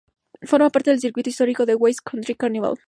Forma parte del circuito histórico del "West Country Carnival".